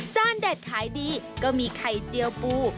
จ้านแดดขายดีก็มีไข่เจียวปู